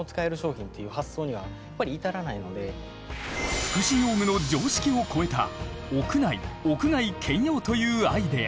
福祉用具の常識を超えた屋内屋外兼用というアイデア。